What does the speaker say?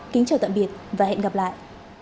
kính chào tạm biệt và hẹn gặp lại